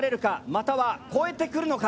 または超えてくるのか。